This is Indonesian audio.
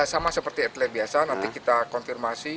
sama seperti atlet biasa nanti kita konfirmasi